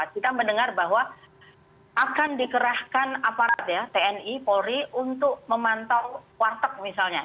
kita mendengar bahwa akan dikerahkan aparat ya tni polri untuk memantau warteg misalnya